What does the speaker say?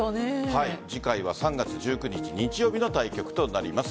次回は３月１９日日曜日の対局となります。